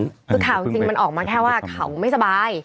คือข่าวจริงมันออกมาแค่ว่าเขาไม่สบาย